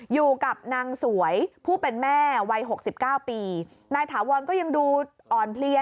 อยู่กับนางสวยผู้เป็นแม่วัย๖๙ปี